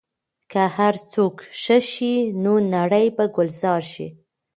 که هر څوک ښه شي، نو نړۍ به ګلزار شي.